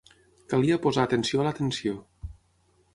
Calia posar atenció a la tensió.